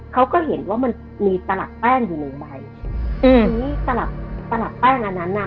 เขาก็เห็นว่ามันมีตลับแป้งอยู่หนึ่งใบอืมทีนี้ตลับตลับแป้งอันนั้นน่ะ